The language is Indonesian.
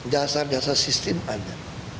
dasar dasar sistem ada